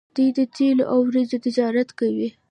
دوی د تیلو او وریجو تجارت کوي.